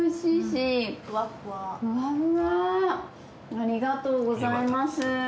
ありがとうございます。